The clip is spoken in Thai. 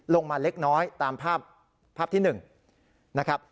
ลงมาเล็กน้อยตามภาพที่๑นะครับ